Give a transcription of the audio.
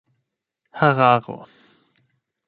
hararo